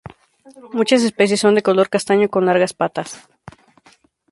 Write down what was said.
Muchas especies son de color castaño con largas patas.